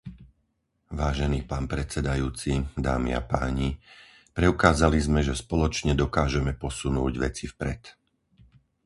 Vážený pán predsedajúci, dámy a páni, preukázali sme, že spoločne dokážeme posunúť veci vpred.